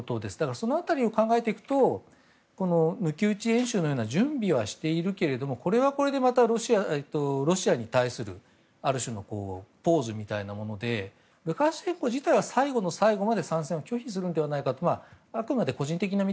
その辺りを考えていくとこの抜き打ち演習のような準備はしているけれどもこれはこれでまたロシアに対するある種のポーズみたいなものでルカシェンコ自体は最後の最後まで参戦は拒否するのではないかと。